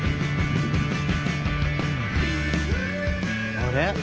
あれ？